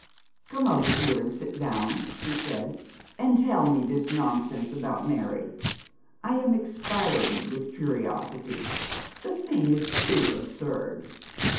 'Come over here and sit down,' she said, 'and tell me this nonsense about Mary. I am expiring with curiosity. The thing is too absurd.'